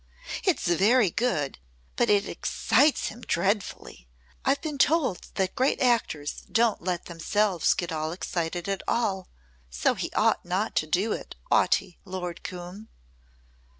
"It's very good, but it excites him dreadfully. I've been told that great actors don't let themselves get excited at all, so he ought not to do it, ought he, Lord Coombe?"